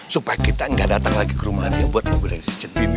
supaya kita nggak datang lagi ke rumah dia buat mobil yang sejati ini